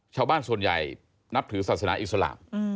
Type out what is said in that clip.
ชาวบ้านส่วนใหญ่นับถือศาสนาอิสลาม